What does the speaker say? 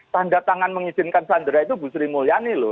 tanda tangan mengizinkan sandera itu bu sri mulyani loh